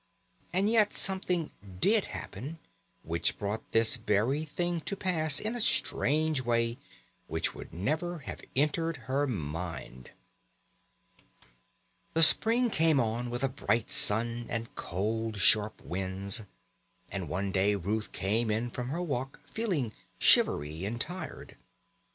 And yet something did happen which brought this very thing to pass in a strange way which would never have entered her mind. The spring came on with a bright sun and cold sharp winds, and one day Ruth came in from her walk feeling shivery and tired.